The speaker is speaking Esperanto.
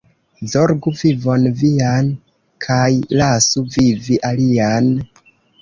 Zorgu vivon vian kaj lasu vivi alian.